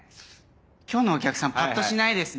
今日のお客さんパッとしないですね。